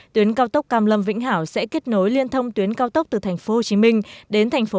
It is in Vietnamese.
tuyến cao tốc cam lâm vĩnh hảo sẽ kết nối liên thông tuyến cao tốc từ tp hcm đến tp hcm